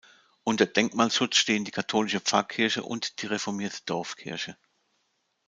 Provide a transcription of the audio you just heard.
Unter Denkmalschutz stehen die katholische Pfarrkirche und die reformierte Dorfkirche.